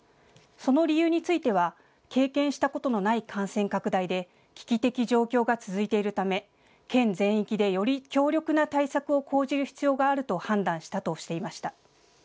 その理由については経験したことのない感染拡大で危機的状況が続いているため県全域でより強力な対策を講じる必要があると判断したとしていました。